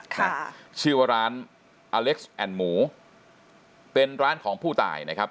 ค่ะชื่อว่าร้านอเล็กซ์แอนด์หมูเป็นร้านของผู้ตายนะครับ